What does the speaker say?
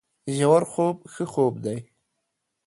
ژورخوب ښه خوب دی